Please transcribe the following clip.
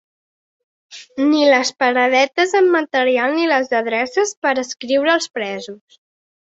Ni les paradetes amb material ni les adreces per a escriure als presos.